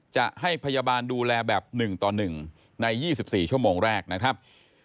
จะให้พยาบาลดูแลแบบ๑ต่อ๑ใน๒๔ชั่วโมงแรกนะครับ